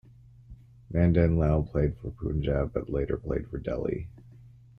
Madan Lal played for Punjab but later played for Delhi.